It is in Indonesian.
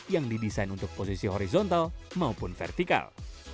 yang didesain untuk posisi horizontal maupun vertikal